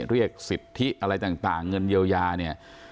เรียกสิทธิอะไรต่างเงินเยียวยาเนี่ย